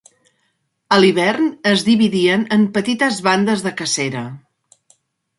A l'hivern es dividien en petites bandes de cacera.